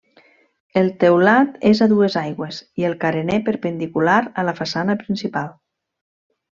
El teulat és a dues aigües i el carener perpendicular a la façana principal.